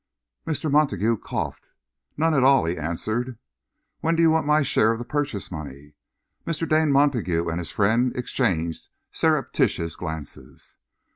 Mr. Montague coughed. "None at all," he answered. "When do you want my share of the purchase money?" Mr. Dane Montague and his friend exchanged surreptitious glances.